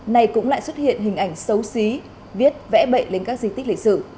này cũng lại xuất hiện hình ảnh xấu xí viết vẽ bậy lên các di tích lịch sử